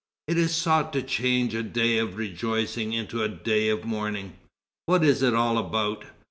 It is sought to change a day of rejoicing into a day of mourning.... What is it all about?